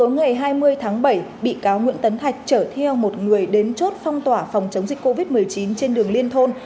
ngày hai mươi tháng bảy bị cáo nguyễn tấn thạch trở theo một người đến chốt phong tỏa phòng chống dịch covid một mươi chín trên đường liên thôn